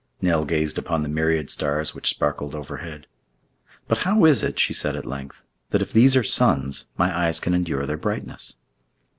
Nell gazed upon the myriad stars which sparkled overhead. "But how is it," she said at length, "that if these are suns, my eyes can endure their brightness?"